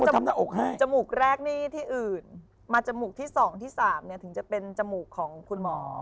แต่ว่าจมูกแรกนี่ที่อื่นมาจมูกที่สองที่สามเนี่ยถึงจะเป็นจมูกของคุณหมอ